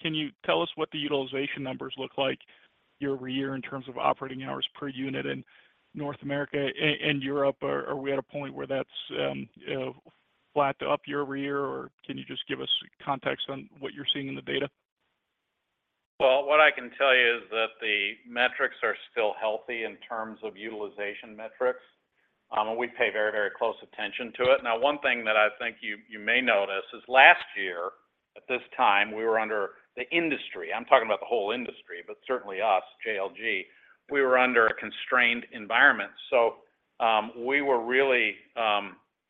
Can you tell us what the utilization numbers look like year-over-year in terms of operating hours per unit in North America and Europe? Or are we at a point where that's flat to up year-over-year, or can you just give us context on what you're seeing in the data? Well, what I can tell you is that the metrics are still healthy in terms of utilization metrics. We pay very, very close attention to it. Now, one thing that I think you, you may notice is last year, at this time, we were under the industry. I'm talking about the whole industry, but certainly us, JLG, we were under a constrained environment. We were really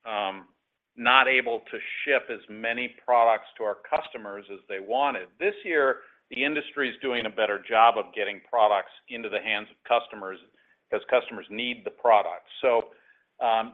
not able to ship as many products to our customers as they wanted. This year, the industry is doing a better job of getting products into the hands of customers because customers need the products.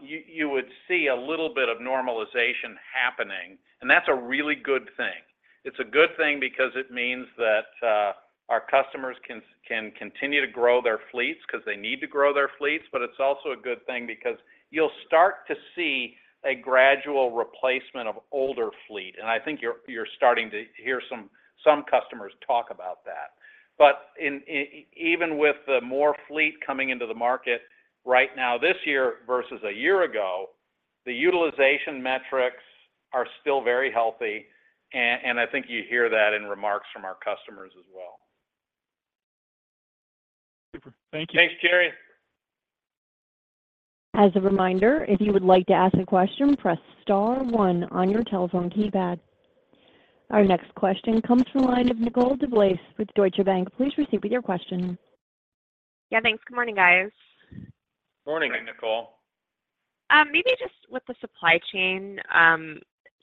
You, you would see a little bit of normalization happening, and that's a really good thing. It's a good thing because it means that our customers can, can continue to grow their fleets because they need to grow their fleets, but it's also a good thing because you'll start to see a gradual replacement of older fleet, and I think you're, you're starting to hear some, some customers talk about that. Even with the more fleet coming into the market right now this year versus a year ago, the utilization metrics are still very healthy, and I think you hear that in remarks from our customers as well. Super. Thank you. Thanks, Jerry. As a reminder, if you would like to ask a question, press star 1 on your telephone keypad. Our next question comes from the line of Nicole DeBlase with Deutsche Bank. Please receive with your question. Yeah, thanks. Good morning, guys. Morning, Nicole. Morning. maybe just with the supply chain,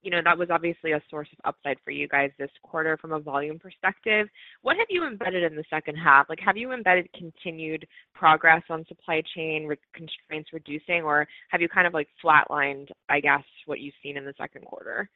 you know, that was obviously a source of upside for you guys this quarter from a volume perspective. What have you embedded in the second half? Have you embedded continued progress on supply chain with constraints reducing, or have you kind of flatlined what you've seen in the second quarter?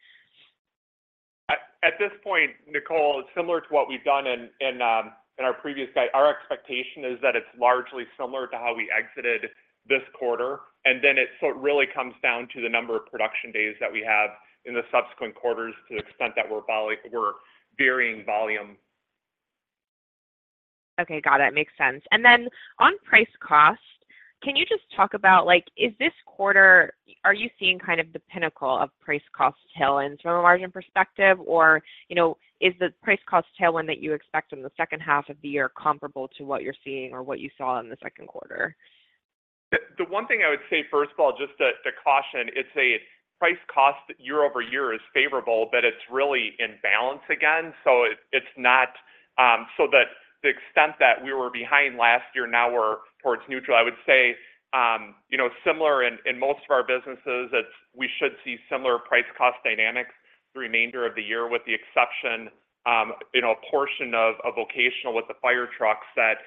At this point, Nicole, similar to what we've done in, in our previous guide, our expectation is that it's largely similar to how we exited this quarter, so it really comes down to the number of production days that we have in the subsequent quarters to the extent that we're varying volume. Okay, got it. Makes sense. Then on price cost, can you just talk about like, is this quarter, are you seeing kind of the pinnacle of price cost tailwind from a margin perspective? You know, is the price cost tailwind that you expect in the second half of the year comparable to what you're seeing or what you saw in the second quarter? The one thing I would say, first of all, just to caution, it's a price cost year-over-year is favorable, but it's really in balance again. It's not, so that the extent that we were behind last year, now we're towards neutral. I would say, you know, similar in most of our businesses, that we should see similar price cost dynamics the remainder of the year, with the exception, you know, a portion of vocational with the fire trucks, that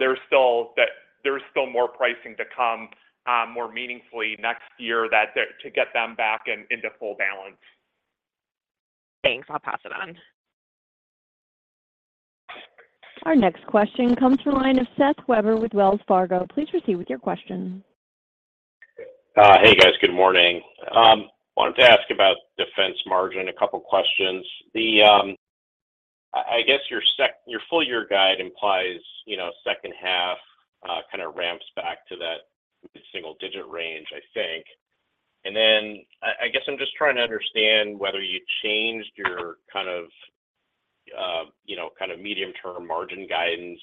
there's still more pricing to come, more meaningfully next year, to get them back in, into full balance. Thanks. I'll pass it on. Our next question comes from the line of Seth Weber with Wells Fargo. Please proceed with your question. Hey, guys. Good morning. Wanted to ask about defense margin, a couple of questions. The, I guess your full year guide implies, you know, second half, kind of ramps back to that single-digit range, I think. Then I, I guess I'm just trying to understand whether you changed your kind of, you know, kind of medium-term margin guidance.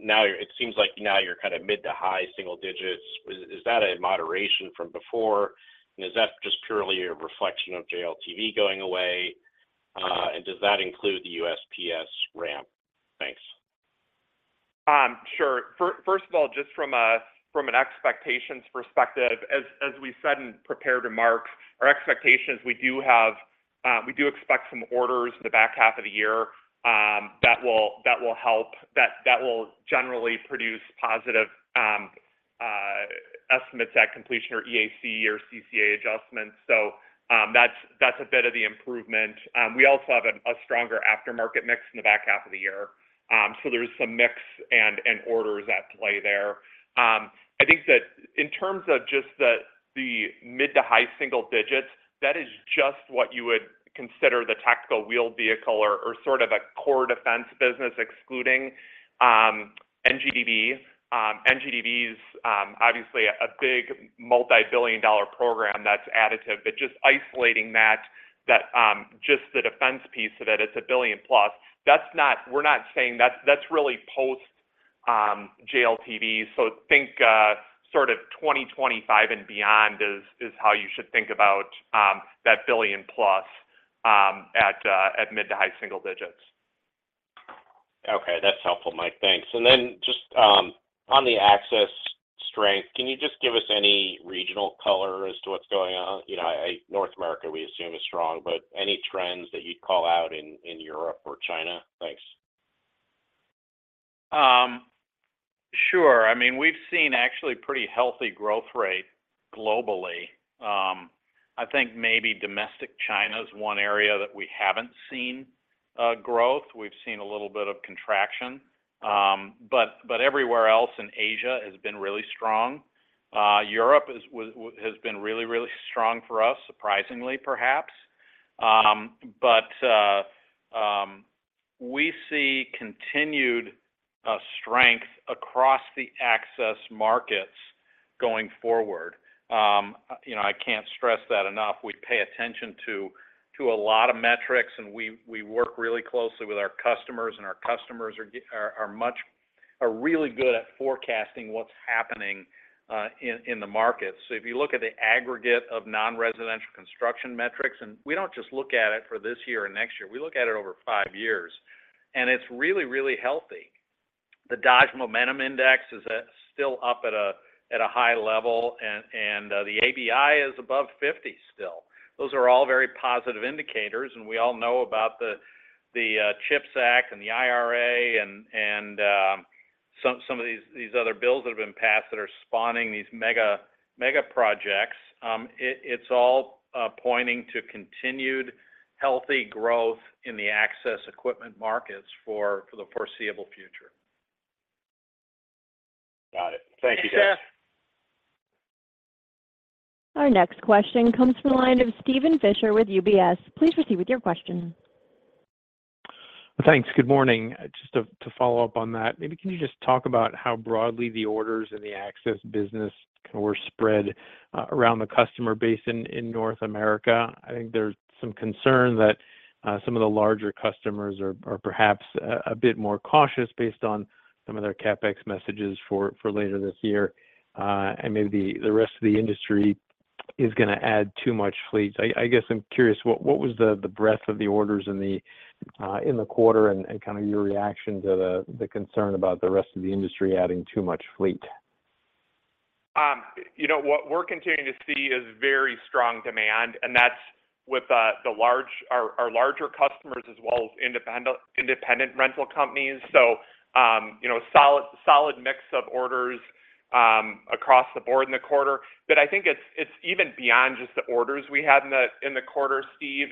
Now, it seems like now you're kind of mid to high single digits. Is, is that a moderation from before? Is that just purely a reflection of JLTV going away? And does that include the USPS ramp? Thanks. Sure. First, first of all, just from an expectations perspective, as we said in prepared remarks, our expectations, we do have, we do expect some orders in the back half of the year that will, that will help- that, that will generally produce positive estimates at completion or EAC or CCA adjustments. That's, that's a bit of the improvement. We also have a stronger aftermarket mix in the back half of the year. There's some mix and orders at play there. I think that in terms of just the mid to high single digits, that is just what you would consider the tactical wheeled vehicle or sort of a core defense business, excluding NGDV. NGDV is obviously a big multibillion-dollar program that's additive. Just isolating that, that, just the defense piece of it, it's a +$1 billion. We're not saying that's really post JLTV. Think sort of 2025 and beyond is how you should think about that +$1 billion at mid-to-high single digits. Okay, that's helpful, Mike. Thanks. Then just on the access strength, can you just give us any regional color as to what's going on? You know, North America, we assume, is strong, but any trends that you'd call out in, in Europe or China? Thanks. Sure. I mean, we've seen actually pretty healthy growth rate globally. I think maybe domestic China is one area that we haven't seen growth. We've seen a little bit of contraction, but everywhere else in Asia has been really strong. Europe is has been really, really strong for us, surprisingly, perhaps. We see continued strength across the access markets going forward. You know, I can't stress that enough. We pay attention to, to a lot of metrics, and we, we work really closely with our customers, and our customers are really good at forecasting what's happening in the market. If you look at the aggregate of non-residential construction metrics, and we don't just look at it for this year and next year, we look at it over five years, and it's really, really healthy. The Dodge Momentum Index is still up at a high level, and the ABI is above 50 still. Those are all very positive indicators, and we all know about the CHIPS Act and the IRA, and some of these other bills that have been passed that are spawning these mega, mega projects. It's all pointing to continued healthy growth in the access equipment markets for the foreseeable future. Got it. Thank you, guys. Thanks, Seth. Our next question comes from the line of Steven Fisher with UBS. Please proceed with your question. Thanks. Good morning. Just to, to follow up on that, maybe can you just talk about how broadly the orders in the access business were spread around the customer base in North America? I think there's some concern that some of the larger customers are perhaps a bit more cautious based on some of their CapEx messages for later this year, and maybe the rest of the industry is gonna add too much fleet. I guess I'm curious, what was the breadth of the orders in the quarter, and kind of your reaction to the concern about the rest of the industry adding too much fleet? you know, what we're continuing to see is very strong demand, and that's with our, our larger customers, as well as independent rental companies. you know, solid, solid mix of orders across the board in the quarter. I think it's, it's even beyond just the orders we had in the, in the quarter, Steve.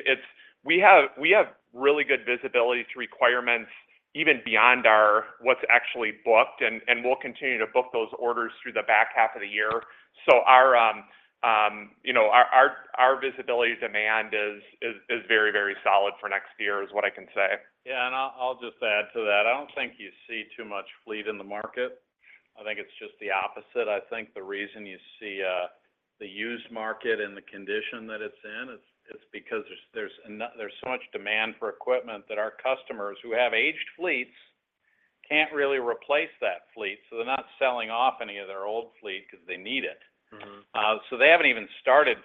We have, we have really good visibility to requirements, even beyond our, what's actually booked, and, and we'll continue to book those orders through the back half of the year. our, you know, our, our, our visibility demand is, is, is very, very solid for next year, is what I can say. Yeah, I'll, I'll just add to that. I don't think you see too much fleet in the market. I think it's just the opposite. I think the reason you see, the used market and the condition that it's in, it's, it's because there's, there's so much demand for equipment that our customers who have aged fleets can't really replace that fleet, so they're not selling off any of their old fleet 'cause they need it. Mm-hmm. They haven't even started,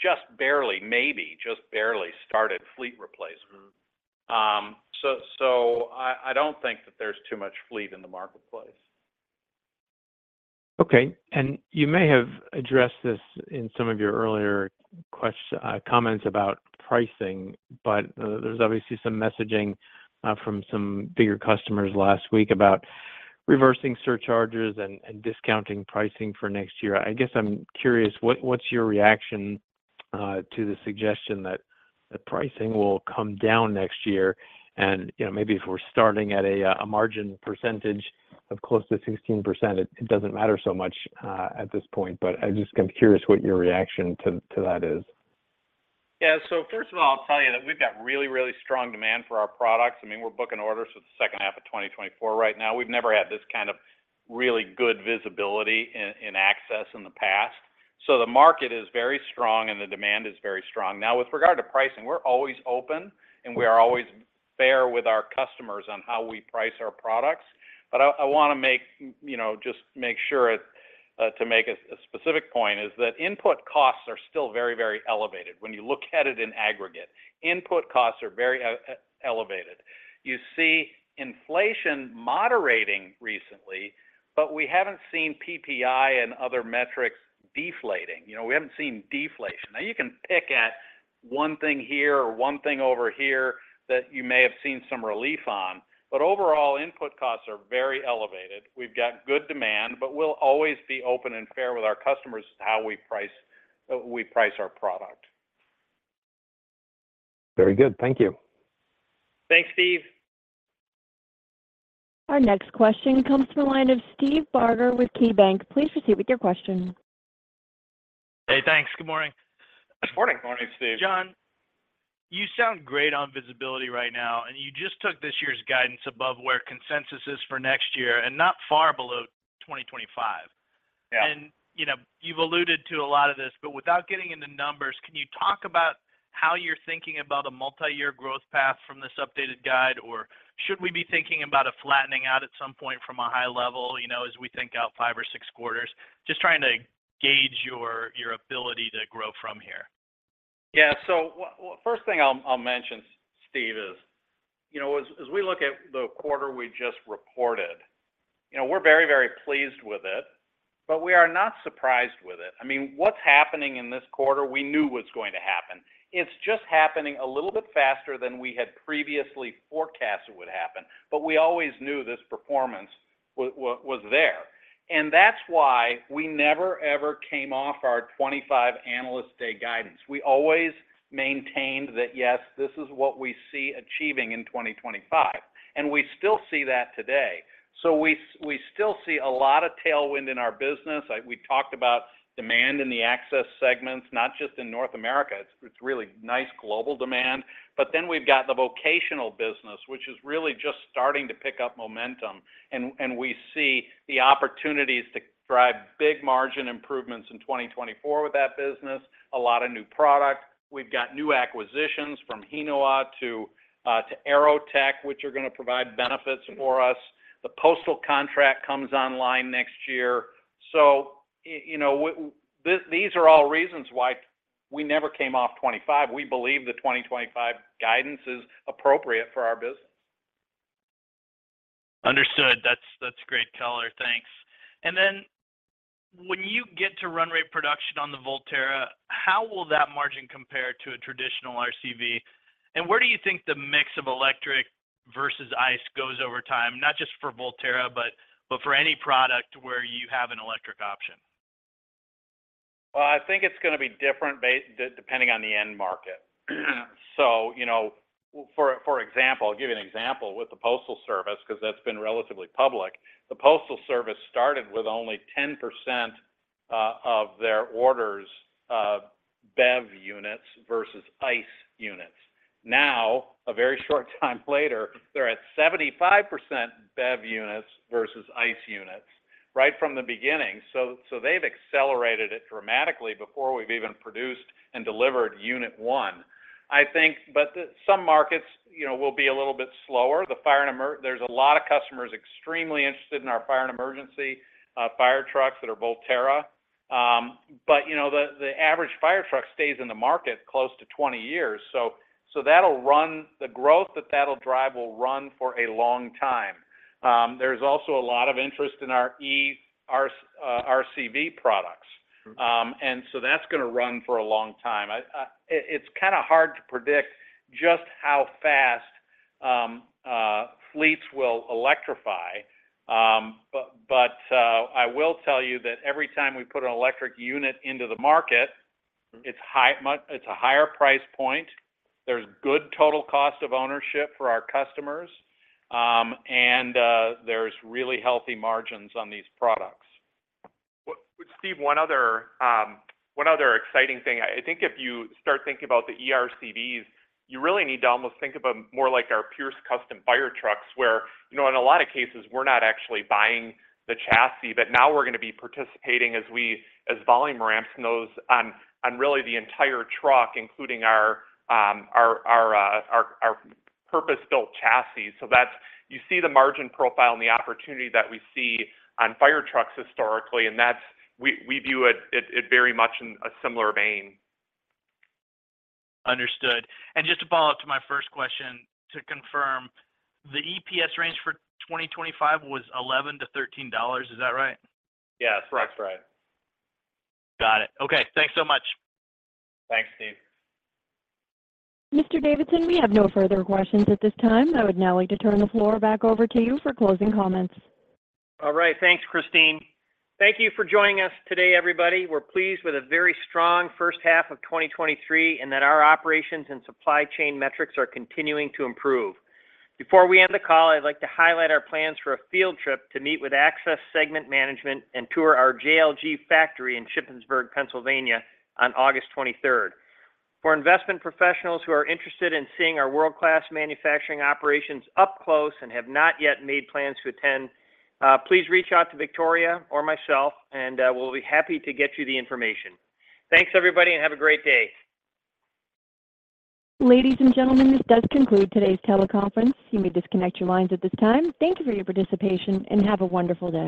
just barely, maybe just barely started fleet replacement. Mm-hmm. I don't think that there's too much fleet in the marketplace. Okay, and you may have addressed this in some of your earlier comments about pricing, but there's obviously some messaging from some bigger customers last week about reversing surcharges and discounting pricing for next year. I guess I'm curious, what, what's your reaction to the suggestion that the pricing will come down next year? You know, maybe if we're starting at a margin percentage of close to 16%, it doesn't matter so much at this point, but I'm just kind of curious what your reaction to that is. Yeah. First of all, I'll tell you that we've got really, really strong demand for our products. I mean, we're booking orders for the second half of 2024 right now. We've never had this kind of really good visibility in Access in the past. The market is very strong, and the demand is very strong. Now, with regard to pricing, we're always open, and we are always fair with our customers on how we price our products. I, I wanna make, you know, just make sure it to make a specific point, is that input costs are still very, very elevated. When you look at it in aggregate, input costs are very elevated. You see inflation moderating recently, we haven't seen PPI and other metrics deflating. You know, we haven't seen deflation. You can pick at one thing here or one thing over here that you may have seen some relief on. Overall, input costs are very elevated. We've got good demand. We'll always be open and fair with our customers as to how we price, we price our product. Very good. Thank you. Thanks, Steve. Our next question comes from the line of Steve Barger with KeyBanc. Please proceed with your question. Hey, thanks. Good morning. Good morning. Morning, Steve. John, you sound great on visibility right now, and you just took this year's guidance above where consensus is for next year, and not far below 2025. Yeah. You know, you've alluded to a lot of this, but without getting into numbers, can you talk about how you're thinking about a multiyear growth path from this updated guide? Or should we be thinking about a flattening out at some point from a high level, you know, as we think out five or six quarters? Just trying to gauge your, your ability to grow from here. First thing I'll, I'll mention, Steve, is, you know, as, as we look at the quarter we just reported, you know, we're very, very pleased with it, but we are not surprised with it. I mean, what's happening in this quarter, we knew was going to happen. It's just happening a little bit faster than we had previously forecasted would happen. We always knew this performance was there, and that's why we never, ever came off our 2025 Analyst Day guidance. We always maintained that, yes, this is what we see achieving in 2025, and we still see that today. We still see a lot of tailwind in our business. We talked about demand in the access segments, not just in North America. It's, it's really nice global demand, but then we've got the vocational business, which is really just starting to pick up momentum, and, and we see the opportunities to drive big margin improvements in 2024 with that business. A lot of new product. We've got new acquisitions from Hinowa to, to AeroTech, which are gonna provide benefits for us. The postal contract comes online next year. You know, these are all reasons why we never came off 25. We believe the 2025 guidance is appropriate for our business. Understood. That's, that's great color. Thanks. Then when you get to run rate production on the Volterra, how will that margin compare to a traditional RCV? Where do you think the mix of electric versus ICE goes over time, not just for Volterra, but, but for any product where you have an electric option? Well, I think it's gonna be different depending on the end market. You know, for example, I'll give you an example with the Postal Service, 'cause that's been relatively public. The Postal Service started with only 10% of their orders, BEV units versus ICE units. Now, a very short time later, they're at 75% BEV units versus ICE units, right from the beginning. They've accelerated it dramatically before we've even produced and delivered unit one. I think. Some markets, you know, will be a little bit slower. The fire and emergency, there's a lot of customers extremely interested in our fire and emergency fire trucks that are Volterra. You know, the average fire truck stays in the market close to 20 years, the growth that that'll drive will run for a long time. There's also a lot of interest in our RCV products. Mm-hmm. So that's gonna run for a long time. I, it's kind of hard to predict just how fast, fleets will electrify. But, I will tell you that every time we put an electric unit into the market. Mm. It's a higher price point. There's good total cost of ownership for our customers, and there's really healthy margins on these products. Steve, one other, one other exciting thing. I think if you start thinking about the eRCVs, you really need to almost think about more like our Pierce custom fire trucks, where, you know, in a lot of cases we're not actually buying the chassis, but now we're gonna be participating as volume ramps in those on, on really the entire truck including our, our, our, our purpose-built chassis. That's, you see the margin profile and the opportunity that we see on fire trucks historically, and that's, we, we view it, it, it very much in a similar vein. Understood. Just to follow up to my first question, to confirm, the EPS range for 2025 was $11-$13. Is that right? Yeah, that's right. Got it. Okay, thanks so much. Thanks, Steve. Mr. Davidson, we have no further questions at this time. I would now like to turn the floor back over to you for closing comments. All right. Thanks, Christine. Thank you for joining us today, everybody. We're pleased with a very strong first half of 2023, and that our operations and supply chain metrics are continuing to improve. Before we end the call, I'd like to highlight our plans for a field trip to meet with access segment management and tour our JLG factory in Shippensburg, Pennsylvania, on August 23rd. For investment professionals who are interested in seeing our world-class manufacturing operations up close and have not yet made plans to attend, please reach out to Victoria or myself, and we'll be happy to get you the information. Thanks, everybody, and have a great day. Ladies and gentlemen, this does conclude today's teleconference. You may disconnect your lines at this time. Thank you for your participation, and have a wonderful day.